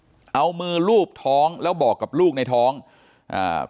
เพราะตอนนั้นหมดหนทางจริงเอามือรูบท้องแล้วบอกกับลูกในท้องขอให้ดนใจบอกกับเธอหน่อยว่าพ่อเนี่ยอยู่ที่ไหน